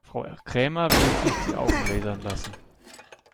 Frau Krämer will sich die Augen lasern lassen.